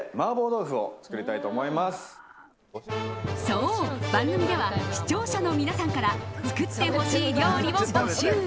そう、番組では視聴者の皆さんから作ってほしい料理を募集。